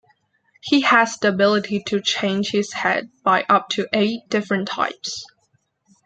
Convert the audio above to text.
He has the ability to change his head by up to eight different types.